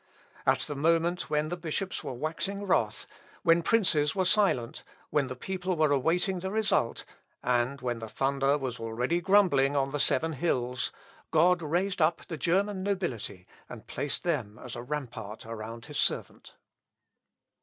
At the moment when the bishops were waxing wroth, when princes were silent, when the people were awaiting the result, and when the thunder was already grumbling on the seven hills, God raised up the German nobility, and placed them as a rampart around his servant.